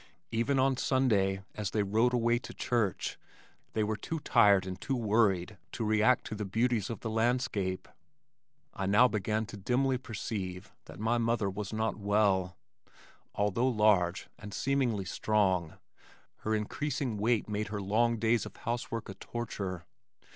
Even on Sunday as they rode away to church, they were too tired and too worried to re act to the beauties of the landscape. I now began to dimly perceive that my mother was not well. Although large and seemingly strong, her increasing weight made her long days of housework a torture.